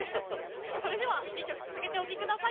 それでは２曲続けてお聴きください。